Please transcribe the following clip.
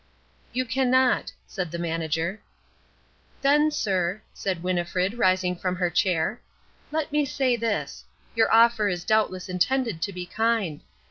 "You can not," said the manager. "Then, sir," said Winnifred, rising from her chair, "let me say this. Your offer is doubtless intended to be kind.